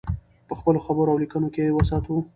په خپلو خبرو او لیکنو کې یې وساتو.